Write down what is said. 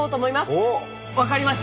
分かりました！